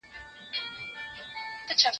که یې مږور وه که یې زوی که یې لمسیان وه